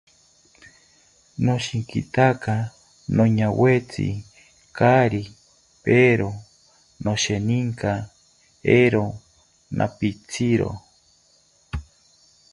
Noshinkitaka noñawetzi kari pero, nosheninka eero napitziro